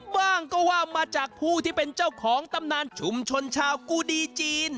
บ้างก็ว่ามาจากผู้ที่เป็นเจ้าของตำนานชุมชนชาวกูดีจีน